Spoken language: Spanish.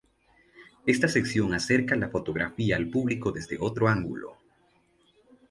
Esta sección acerca la fotografía al público desde otro ángulo.